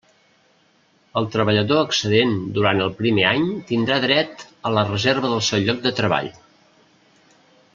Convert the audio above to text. El treballador excedent durant el primer any tindrà dret a la reserva del seu lloc de treball.